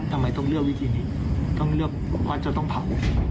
ทำไมต้องเลือกวิธีนี้ต้องเลือกว่าจะต้องเผา